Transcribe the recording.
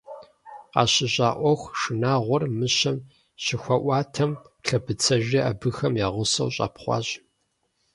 КъащыщӀа Ӏуэху шынагъуэр Мыщэм щыхуаӀуатэм, лъэбыцэжьри абыхэм я гъусэу щӀэпхъуащ.